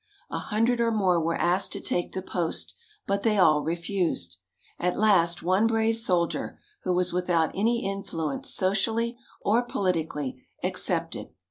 A hundred or more were asked to take the post, but they all refused. At last one brave soldier, who was without any influence socially or politically, accepted.